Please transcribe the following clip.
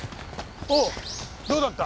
おうどうだった？